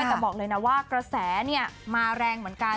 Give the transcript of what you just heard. แต่บอกเลยนะว่ากระแสมาแรงเหมือนกัน